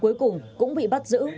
cuối cùng cũng bị bắt giữ